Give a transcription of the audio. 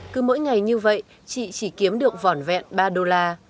cứ mỗi ngày như vậy chị chỉ kiếm được vỏn vẹn ba đô la